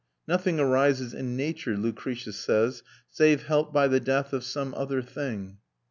Nothing arises in nature, Lucretius says, save helped by the death of some other thing.